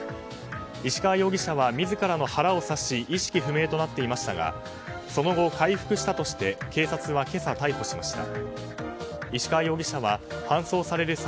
石川容疑者は自らの腹を刺し意識不明となっていましたがその後、回復したとして警察は今朝、逮捕しました。